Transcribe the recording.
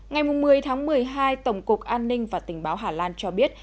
ngày một mươi tháng một mươi hai tổng cục an ninh và tình báo hà lan cho biết